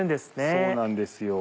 そうなんですよ。